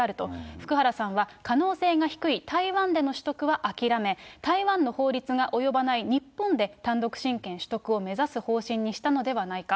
福原さんは可能性が低い台湾での取得はあきらめ、台湾の法律が及ばない日本で単独親権取得を目指す方針にしたのではないか。